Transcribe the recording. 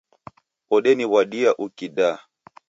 Odeniw'adia ukidaa